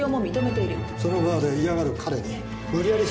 そのバーで嫌がる彼に無理やり酒を飲ませた。